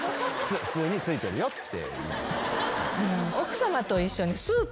普通についてるよって。